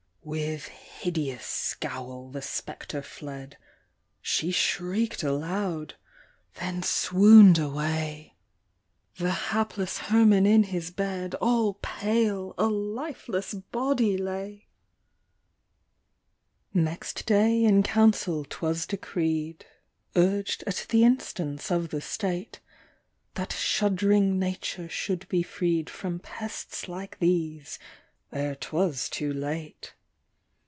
With hideous scowl the spectre fled ; She shriek'd aloud ;— then swoon'd away I The hapless Herman in his bed, All pale, a lifeless body lay ! THE VAMPYRB. 235 Next day in council 'twas decreed, (Urg'd at the instance of the state) That shudd'ring nature should be freed From pests like these ere 'twas too late.